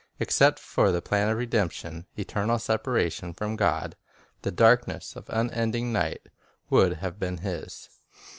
Except for *—* the plan of redemption, eternal separation from God, the darkness of unending night, would have been his.